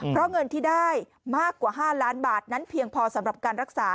เพราะเงินที่ได้มากกว่า๕ล้านบาทนั้นเพียงพอสำหรับการรักษา